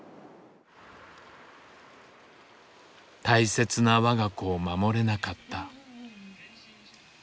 大切な我が子を守れなかった。